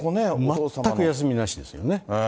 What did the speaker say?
全く休みなしですよね。